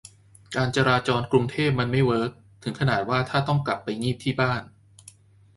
การจราจรกรุงเทพมันไม่เวิร์คถึงขนาดว่าถ้าต้องกลับไปงีบที่บ้าน